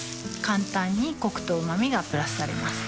簡単にコクとうま味がプラスされます